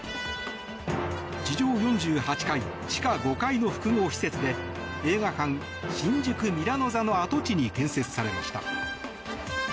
地上４８階、地下５階の複合施設で映画館、新宿ミラノ座の跡地に建設されました。